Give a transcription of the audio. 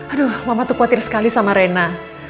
aduh mama tuh khawatir sekali sama rena